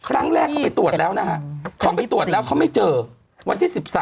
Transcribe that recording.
ครั้งแรกเขาไปตรวจแล้ววันที่๑๓